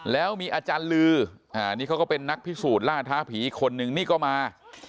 แล้วมีอาจารย์ลือนี่เขาก็เป็นนักพิสูจน์ล่าท้าผีอีกคนนึงนี่ก็มา